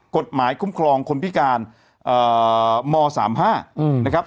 กฎหมายคุ้มครองคนพิการม๓๕นะครับ